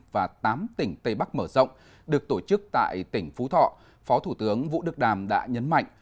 và tám tỉnh tây bắc mở rộng được tổ chức tại tỉnh phú thọ phó thủ tướng vũ đức đàm đã nhấn mạnh